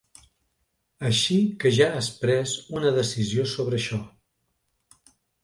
Així que ja has pres una decisió sobre això!